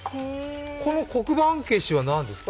この黒板消しは何ですか？